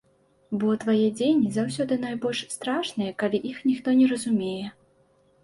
Бо твае дзеянні заўсёды найбольш страшныя, калі іх ніхто не разумее.